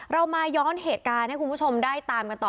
เรามาย้อนเหตุการณ์ให้คุณผู้ชมได้ตามกันต่อ